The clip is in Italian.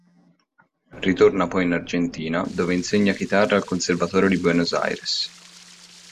Ritorna poi in Argentina, dove insegna chitarra al conservatorio di Buenos Aires.